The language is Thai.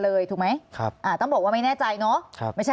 ถูกไหมครับอ่าต้องบอกว่าไม่แน่ใจเนาะไม่ใช่